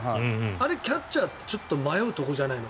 あれ、キャッチャーってちょっと迷うところじゃないの？